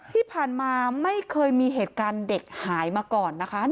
ที่ผ่านมาไม่เคยมีเหตุการณ์เด็กหายมาก่อนนะคะ